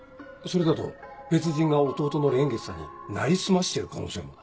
それだと別人が弟の蓮月さんに成り済ましている可能性も。